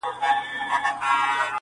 ټول دردونه یې په حکم دوا کېږي؛